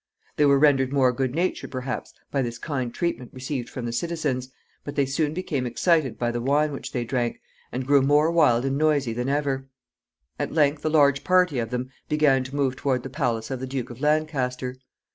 They were rendered more good natured, perhaps, by this kind treatment received from the citizens, but they soon became excited by the wine which they drank, and grew more wild and noisy than ever. At length a large party of them began to move toward the palace of the Duke of Lancaster.